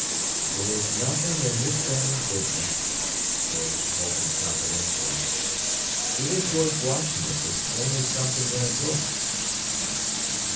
"There's nothing in this family business," George told him confidentially. "Even George Washington is only something in a book."